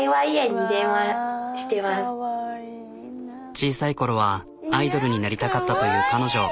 小さいころはアイドルになりたかったという彼女。